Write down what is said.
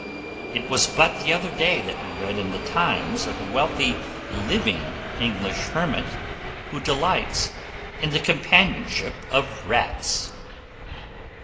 It was but the other day that we read in the "Times" of a wealthy living English hermit, who delights in the companionship of rats!